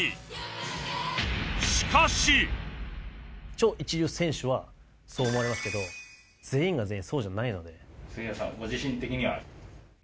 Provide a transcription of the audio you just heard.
超一流選手はそう思われますけど全員が全員そうじゃないので。